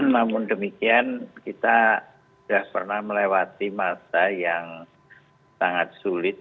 namun demikian kita sudah pernah melewati masa yang sangat sulit